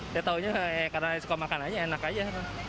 saya taunya karena suka makanannya enak aja